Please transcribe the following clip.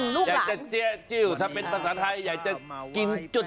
อยากจะเจ๊จิ้วถ้าเป็นภาษาไทยอยากจะกินจุด